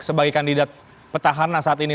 sebagai kandidat petahana saat ini